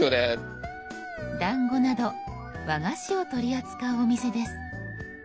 団子など和菓子を取り扱うお店です。